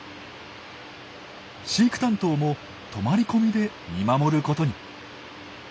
飼育担当も泊まり込みで見守ることに。